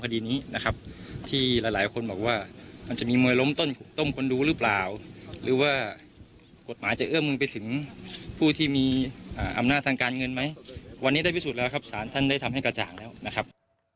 ได้พิสูจน์แล้วครับศาลท่านได้ทำให้กระจ่างแล้วนะครับ